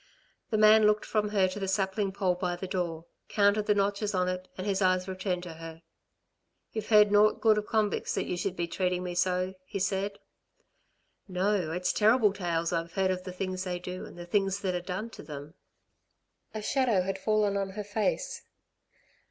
The man looked from her to the sapling pole by the door, counted the notches on it and his eyes returned to her. "You've heard naught good of convicts that you should be treating me so," he said. "No, it's terrible tales, I've heard of the things they do, and the things that are done to them." A shadow had fallen on her face.